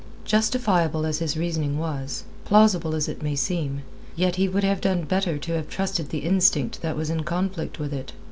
Justifiable as his reasoning was, plausible as it may seem, yet he would have done better to have trusted the instinct that was in conflict with it.